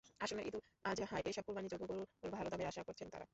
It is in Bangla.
আসন্ন ঈদুল আজহায় এসব কোরবানিযোগ্য গরুর ভালো দামের আশা করছেন তাঁরা।